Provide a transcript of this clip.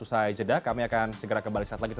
usai jeda kami akan segera kembali setelah kita